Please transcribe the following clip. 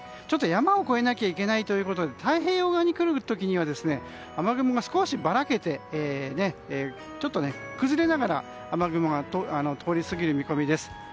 ちょっと山を越えないといけないということで太平洋側にくる時には雨雲が少しバラけて崩れながら雨雲が通り過ぎる見込みです。